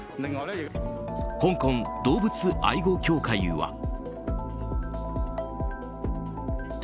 香港動物愛護協会は。